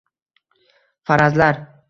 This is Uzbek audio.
Farazlar